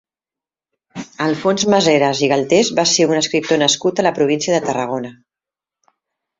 Alfons Maseras i Galtés va ser un escriptor nascut a la província de Tarragona.